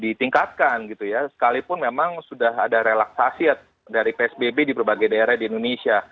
ditingkatkan gitu ya sekalipun memang sudah ada relaksasi dari psbb di berbagai daerah di indonesia